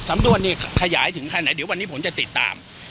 สำนวนเนี่ยขยายถึงขั้นไหนเดี๋ยววันนี้ผมจะติดตาม